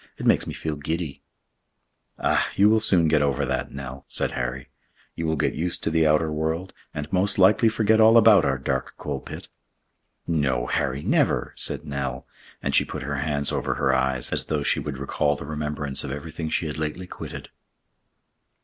"It makes me feel giddy." "Ah! you will soon get over that, Nell," said Harry. "You will get used to the outer world, and most likely forget all about our dark coal pit." "No, Harry, never!" said Nell, and she put her hand over her eyes, as though she would recall the remembrance of everything she had lately quitted.